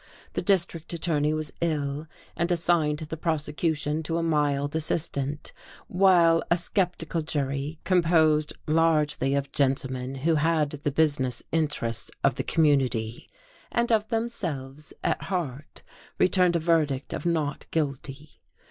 The district attorney was ill, and assigned the prosecution to a mild assistant; while a sceptical jury composed largely of gentlemen who had the business interests of the community, and of themselves, at heart returned a verdict of "not guilty."